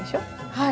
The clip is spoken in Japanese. はい。